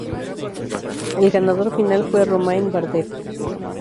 El ganador final fue Romain Bardet.